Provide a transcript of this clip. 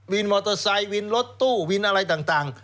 มอเตอร์ไซค์วินรถตู้วินอะไรต่าง